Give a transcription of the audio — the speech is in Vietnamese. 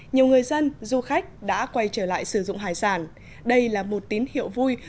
nhiều người dân du khách đã quay trở lại sử dụng hải sản đây là một tín hiệu vui